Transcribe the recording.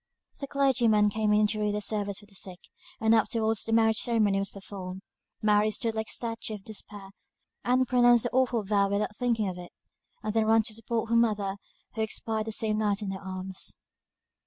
The clergyman came in to read the service for the sick, and afterwards the marriage ceremony was performed. Mary stood like a statue of Despair, and pronounced the awful vow without thinking of it; and then ran to support her mother, who expired the same night in her arms.